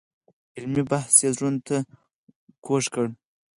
علمي بحث یې زړونو ته کوز کړی.